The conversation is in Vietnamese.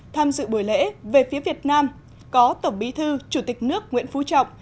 tham dự buổi lễ về phía việt nam có tổng bí thư chủ tịch nước nguyễn phú trọng